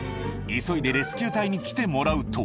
急いでレスキュー隊に来てもらうと。